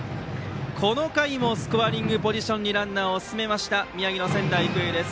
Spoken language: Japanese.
この回もスコアリングポジションにランナーを進めました宮城の仙台育英です。